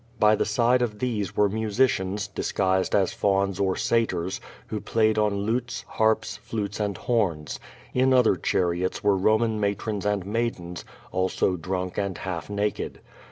By the side of these were musicians, disguised as fa\ms or Satyrs, who played on lutes, harps, flutes and horns. In other char iots were Roman matrons and maidens, also drunk and half naked.